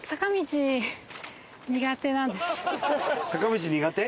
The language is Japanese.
坂道苦手？